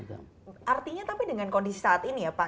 artinya tapi dengan kondisi saat ini ya pak